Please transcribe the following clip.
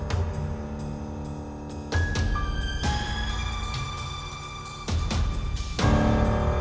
aku mau ke sana